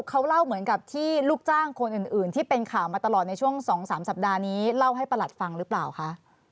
เขาเล่าเหมือนกับที่ลูกจ้างคนอื่นที่เป็นข่าวมาตลอดในช่วง๒๓สัปดาห์นี้เล่าให้ประหลัดฟังหรือเปล่าคะ